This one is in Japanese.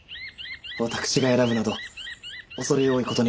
私が選ぶなど恐れ多いことにござりまする。